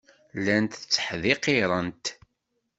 Llant tteḥdiqirent.